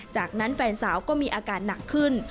จากนั้นแฟนสาวก็มีอาการหนักขึ้น